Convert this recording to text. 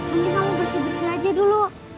mungkin kamu bersih bersih aja dulu